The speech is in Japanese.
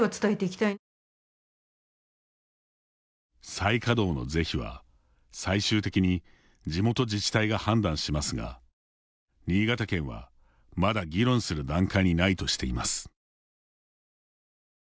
再稼働の是非は最終的に地元自治体が判断しますが新潟県は、まだ議論する段階にないとしています。